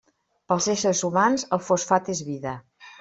Pels éssers humans el fosfat és vida.